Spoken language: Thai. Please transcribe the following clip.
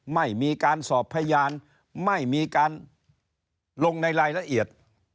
ไม่มีการสอบพยานไม่มีการลงในรายละเอียด